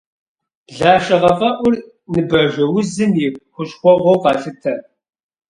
Блэшэгъэфӏэӏур ныбажэузым и хущхъуэгъуэу къалъытэ.